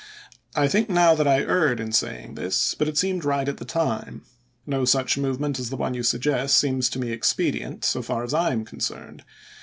I think now that I erred in saying this ; but it seemed right at the time. No such movement as the one you suggest seems to me expedient so far as I am con cerned.